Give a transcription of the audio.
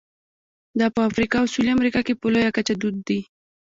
دا په افریقا او سوېلي امریکا کې په لویه کچه دود دي.